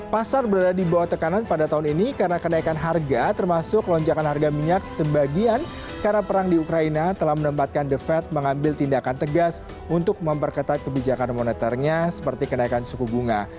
pasar berada di bawah tekanan pada tahun ini karena kenaikan harga termasuk lonjakan harga minyak sebagian karena perang di ukraina telah menempatkan the fed mengambil tindakan tegas untuk memperketat kebijakan moneternya seperti kenaikan suku bunga